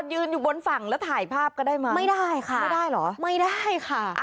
ยืนอยู่บนฝั่งแล้วถ่ายภาพก็ได้ไหมไม่ได้ค่ะไม่ได้เหรอไม่ได้ค่ะ